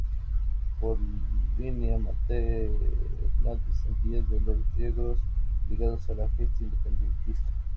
Por línea materna descendía de los Yegros, ligados a la gesta independentista.